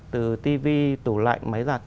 từ tv tủ lạnh máy giặt